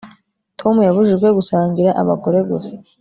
Tom yabujijwe gusangira abagore gusa